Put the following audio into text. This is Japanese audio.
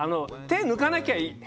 手抜かなきゃいい。